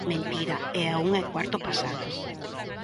Mentira, é a unha e cuarto pasadas.